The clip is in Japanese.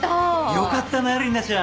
よかったな莉奈ちゃん。